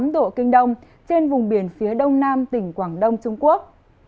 một trăm một mươi năm tám độ kinh đông trên vùng biển phía đông nam tỉnh quảng đông trung quốc